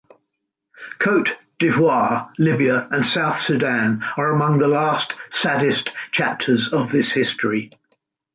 Côte d'Ivoire, Libya and South Sudan are among the last saddest chapters of this history.